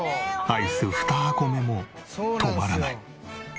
アイス２箱目も止まらない。